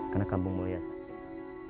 karena kampung mulia sangat baik